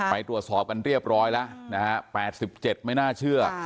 ไปตรวจสอบกันเรียบร้อยแล้วนะฮะ๘๗ไม่น่าเชื่อ